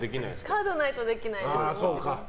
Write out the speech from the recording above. カードないとできないです。